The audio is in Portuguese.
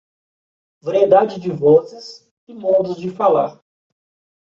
variedade de vozes e modos de falar